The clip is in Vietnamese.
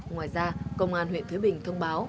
ngoài ra công an huyện thứ bình thông báo